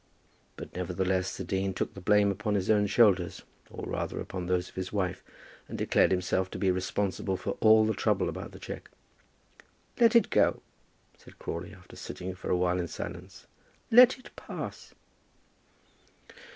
But, nevertheless, the dean took the blame upon his own shoulders, or, rather upon those of his wife, and declared himself to be responsible for all the trouble about the cheque. "Let it go," said Crawley, after sitting for awhile in silence; "let it pass."